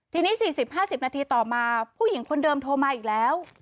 ทีนี้๔๐๕๐นาทีต่อมาผู้หญิงคนเดิมโทรมาอีกแล้ว